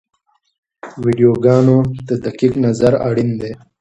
ویډیوګانو ته دقیق نظر اړین دی.